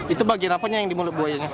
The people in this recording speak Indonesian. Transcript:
itu bagian apanya yang di mulut buayanya